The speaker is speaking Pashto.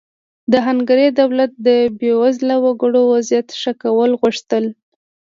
د هنګري دولت د بېوزله وګړو وضعیت ښه کول غوښتل.